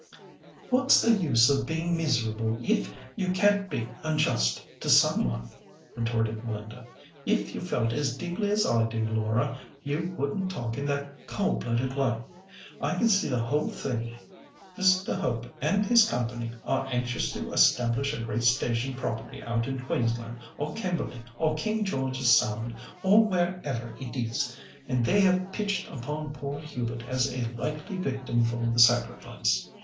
"What's the use of being miserable if you can't be unjust to some one?" retorted Linda. "If you felt as deeply as I do, Laura, you wouldn't talk in that cold blooded way. I can see the whole thing. Mr. Hope and his company are anxious to establish a great station property out in Queensland, or Kimberley, or King George's Sound, or wherever it is, and they have pitched upon poor Hubert as a likely victim for the sacrifice.